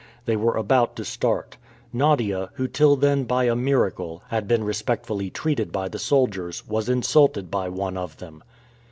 They were about to start. Nadia, who till then, by a miracle, had been respectfully treated by the soldiers, was insulted by one of them.